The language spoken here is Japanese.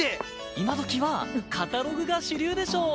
今どきはカタログが主流でしょ！